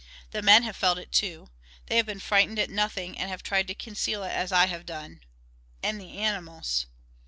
The men have felt it, too. They have been frightened at nothing and have tried to conceal it as I have done. And the animals....